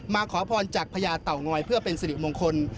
มาขอพรจากพระยาเต่าง้อยเพื่อเป็นศิลป์มงคล